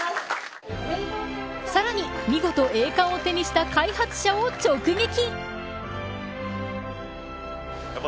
さらに見事栄冠を手にした開発者を直撃。